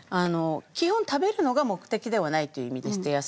基本食べるのが目的ではないという意味で捨て野菜。